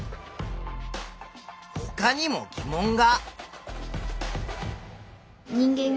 ほかにも疑問が。